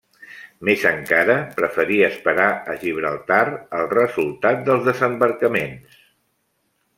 Més encara, preferí esperar a Gibraltar el resultat dels desembarcaments.